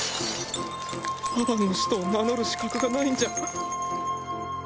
アバンの使徒を名乗る資格がないんじゃ。